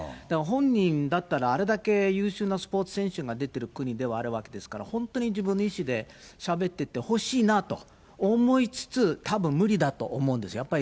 だから本人だったら、あれだけ優秀なスポーツ選手が出てる国ではあるわけですから、本当に自分の意思でしゃべっててほしいなと思いつつ、たぶん無理だと思うんですよ。